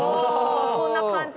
こんな感じ。